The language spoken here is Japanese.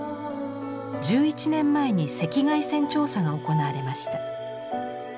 １１年前に赤外線調査が行われました。